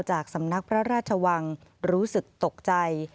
จากสำนักพระราชวังรู้สึกตกใจ